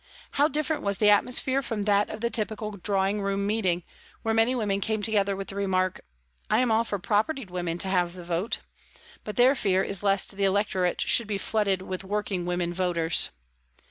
How different was the atmosphere from that of the typical drawing room meeting, where many women came together with the remark : "I am all for propertied women having the vote," but their fear is lest the electorate should be flooded with working women voters.